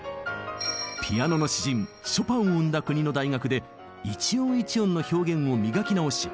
ピアノの詩人ショパンを生んだ国の大学で一音一音の表現を磨き直し